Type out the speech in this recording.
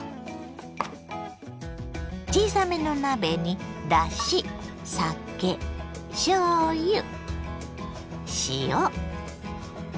小さめの鍋にだし酒しょうゆ塩